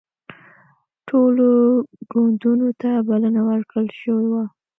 ټولو ګوندونو ته بلنه ورکړل شوې وه